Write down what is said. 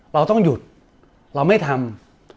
เราต้องหยุดเราไม่ทำ